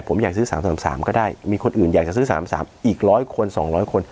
ผมอยากซื้อ๓๓ก็ได้มีคนอื่นอยากจะซื้อ๓๓อีก๑๐๐คน๒๐๐คน